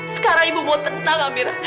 sekarang ibu mau tenang ameran